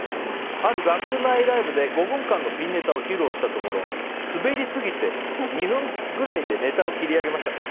ある学内ライブで５分間のピンネタを披露したところスベりすぎて、２分くらいでネタを切り上げました。